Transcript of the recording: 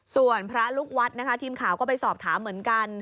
ส่วนพระลูกวัดนะคะทีมข่าวก็ไปสอบถามเหมือนกัน